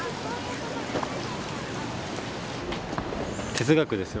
哲学です。